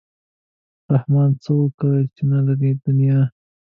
رحمان څه وکا چې نه لري دنیا.